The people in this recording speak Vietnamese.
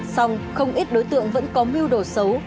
xong không ít đối tượng vẫn có mưu đồ xấu